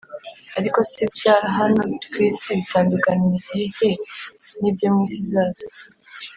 ariko se ibya hano ku isi bitandukaniye he n’ibyo mu isi izaza?